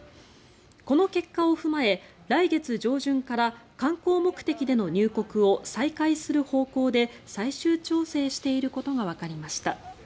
この結果を踏まえ、来月上旬から観光目的での入国を再開する方向で最終調整していることがわかりました。